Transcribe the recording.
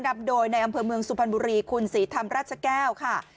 นำโดยในอำเภอเมืองสุพรรณบุรีคุณศรีธรรมราชแก้วค่ะ